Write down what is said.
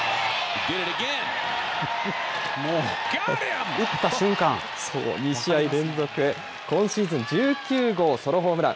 もう、打った瞬間、２試合連続、今シーズン１９号ソロホームラン。